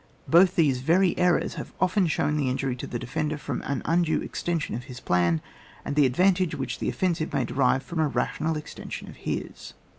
Both these very errors have often shown the injury to the defender from an undue extension of his plan, and the advantage which the offensive may derive from a rational extension of his.